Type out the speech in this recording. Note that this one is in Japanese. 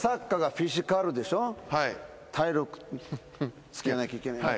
体力つけなきゃいけない。